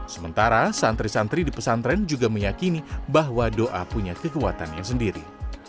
sementara santri santri di pesantren juga meyakini bahwa doa punya kekuatan yang sendiri